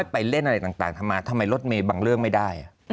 ไปเล่นอะไรต่างทำไมรถเมบังเรื่องไม่ได้